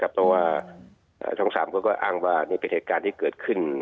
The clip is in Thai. เพราะว่าทั้ง๓คนก็อ้างว่านี่เป็นเหตุการณ์ที่เกิดขึ้น